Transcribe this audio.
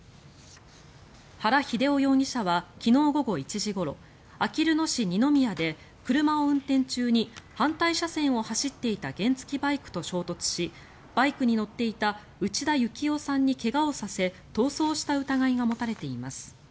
原英夫容疑者は昨日午後１時ごろあきる野市二宮で車を運転中に反対車線を走っていた原付きバイクと衝突しバイクに乗っていた内田之夫さんに怪我をさせ逃走した疑いが持たれています。